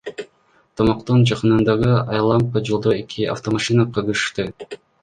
Токмоктун жакынындагы айлампа жолдо эки автомашина кагышты.